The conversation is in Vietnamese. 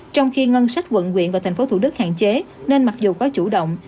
trong khi ngân sách quận quyện và tp thdk hạn chế nên mặc dù có chủ động